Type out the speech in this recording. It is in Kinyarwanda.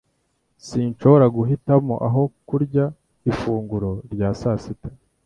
Sinshobora guhitamo aho kurya ifunguro rya sasita